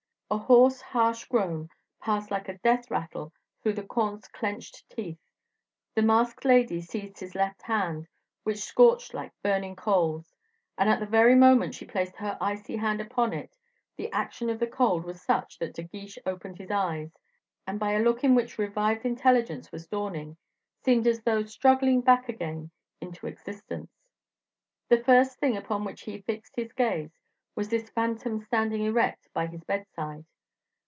A hoarse harsh groan passed like a death rattle through the comte's clenched teeth. The masked lady seized his left hand, which scorched like burning coals. But at the very moment she placed her icy hand upon it, the action of the cold was such that De Guiche opened his eyes, and by a look in which revived intelligence was dawning, seemed as though struggling back again into existence. The first thing upon which he fixed his gaze was this phantom standing erect by his bedside.